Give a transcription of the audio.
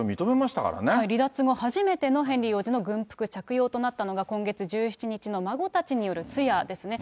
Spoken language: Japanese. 離脱後、初めてのヘンリー王子の軍服着用となったのが、今月１７日の孫たちによる通夜ですね。